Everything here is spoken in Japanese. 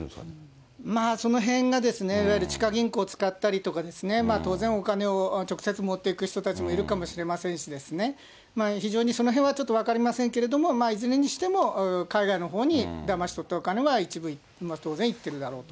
そのへんが、いわゆる地下銀行を使ったりとか、当然、お金を直接持っていく人たちもいるかもしれませんしですしね、非常にそのへんはちょっと分かりませんけれども、いずれにしても、海外のほうにだまし取ったお金は一部当然、いってるだろうと。